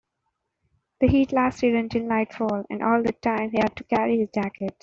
The heat lasted until nightfall, and all that time he had to carry his jacket.